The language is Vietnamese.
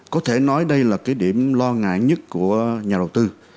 có thể nói đây là cái điểm lo ngại nhất của nhà đầu tư